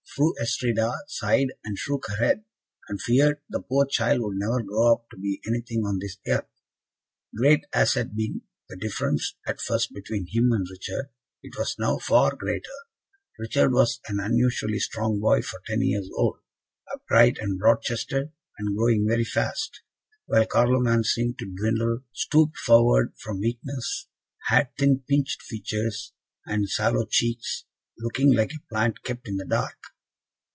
Fru Astrida sighed and shook her head, and feared the poor child would never grow up to be anything on this earth. Great as had been the difference at first between him and Richard, it was now far greater. Richard was an unusually strong boy for ten years old, upright and broad chested, and growing very fast; while Carloman seemed to dwindle, stooped forward from weakness, had thin pinched features, and sallow cheeks, looking like a plant kept in the dark.